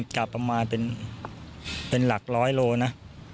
กับประมาณเป็นลักษณ์๑๐๐โลนะ